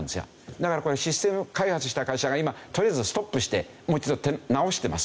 だからこれはシステム開発した会社が今とりあえずストップしてもう一度直してます。